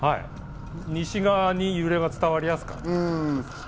西側に揺れが伝わりやすかった。